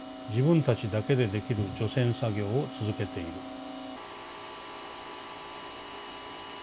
自分たちだけでできる除染作業を続けている」。